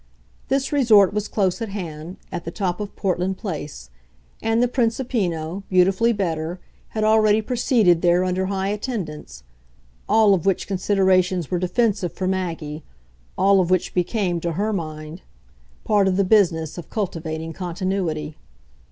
This resort was close at hand, at the top of Portland Place, and the Principino, beautifully better, had already proceeded there under high attendance: all of which considerations were defensive for Maggie, all of which became, to her mind, part of the business of cultivating continuity.